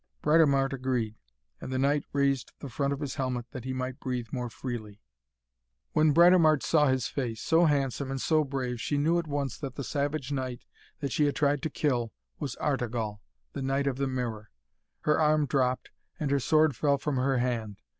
Britomart agreed, and the knight raised the front of his helmet that he might breathe more freely. When Britomart saw his face, so handsome and so brave, she knew at once that the Savage Knight that she had tried to kill was Artegall, the knight of the Mirror. Her arm dropped, and her sword fell from her hand.